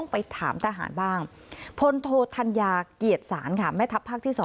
พันธโทธัญญาเกียจสารแม่ทัพภาคที่๒